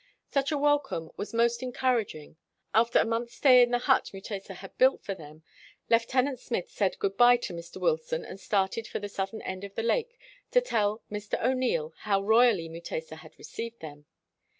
Such a welcome was most encouraging. After a month 's stay in the hut Mutesa had built for them, Lieutenant Smith said good by to Mr. Wilson and started for the ( southern end of the lake to tell Mr. O'Neill how royally Mutesa had received them.